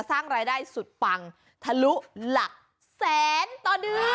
สร้างรายได้สุดปังทะลุหลักแสนต่อเดือน